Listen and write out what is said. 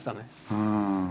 うん。